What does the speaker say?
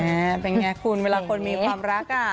เป็นไงคุณเวลาคนมีความรักอ่ะ